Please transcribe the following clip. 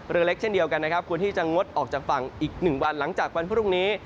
เรือเล็กเช่นเดียวกันนะครับควรที่จะงดออกจากฝั่งอีก๑วันหลังจากวันพรุ่งนี้